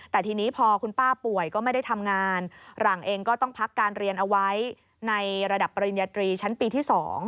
แต่ทีนี้พอคุณป้าป่วยก็ไม่ได้ทำงานหลังเองก็ต้องพักการเรียนเอาไว้ในระดับปริญญาตรีชั้นปีที่๒